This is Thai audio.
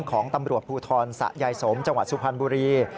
ของตำรวจภูทรสะยายสมจังหวัดสุพรรณบุรี